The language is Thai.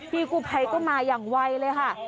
กูภัยก็มาอย่างไวเลยค่ะ